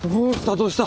どうした？